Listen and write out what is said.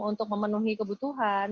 untuk memenuhi kebutuhan